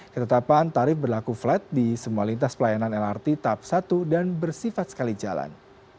ketetapan tarif berlaku flat di semua lintas pelayanan lrt tahap satu dan bersifat sekali jalan